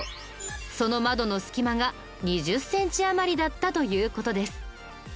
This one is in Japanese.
その窓の隙間が２０センチ余りだったという事です。